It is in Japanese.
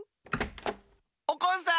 おこんさん！